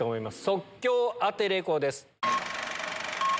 即興アテレコです。